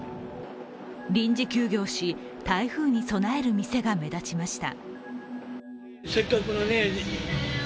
臨時休業し、台風に備える店が目立ちました。